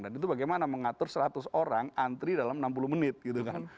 dan itu bagaimana mengatur seratus orang antri dalam enam puluh menit gitu kan